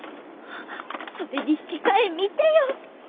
それにひきかえ見てよ。